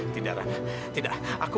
tidak ran tidak aku